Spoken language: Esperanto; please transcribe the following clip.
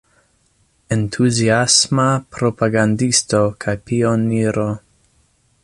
Entuziasma propagandisto kaj pioniro.